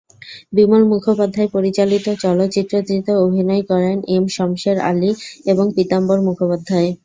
বিমল মুখোপাধ্যায় পরিচালিত চলচ্চিত্রটিতে অভিনয় করেন এম শমশের আলী এবং পীতাম্বর মুখোপাধ্যায়।